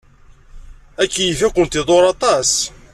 Akeyyef ad kent-iḍurr aṭas.